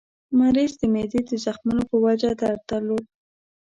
مریض د معدې د زخمونو په وجه درد درلود.